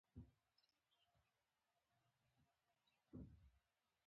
ژوند ښه هم دی اوښکلی هم دی تېر يې کړئ، کني درنه تېريږي